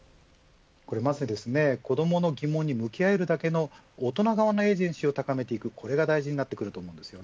まず子どもの疑問に向き合えるだけの大人側のエージェンシーを高めていくこれが大事になってきます。